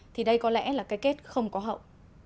thì đây có lẽ là cái kết không có hậu